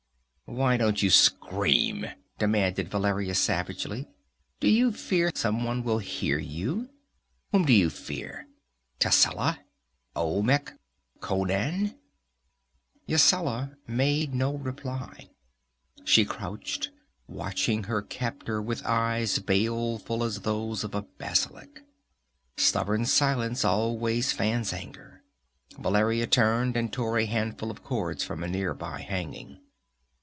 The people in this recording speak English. "Why don't you scream?" demanded Valeria savagely. "Do you fear someone will hear you? Whom do you fear? Tascela? Olmec? Conan?" Yasala made no reply. She crouched, watching her captor with eyes baleful as those of a basilisk. Stubborn silence always fans anger. Valeria turned and tore a handful of cords from a near by hanging.